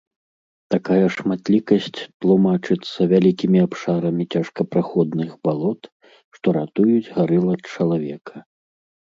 Такая шматлікасць тлумачыцца вялікімі абшарамі цяжкапраходных балот, што ратуюць гарыл ад чалавека.